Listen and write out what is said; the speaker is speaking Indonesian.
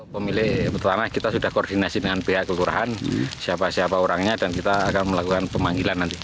pemilih pertama kita sudah koordinasi dengan pihak kelurahan siapa siapa orangnya dan kita akan melakukan pemanggilan nanti